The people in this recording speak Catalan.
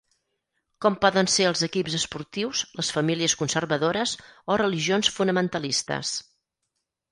Com poden ser els equips esportius, les famílies conservadores o religions fonamentalistes.